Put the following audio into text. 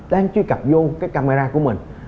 đang truy cập vô cái camera của mình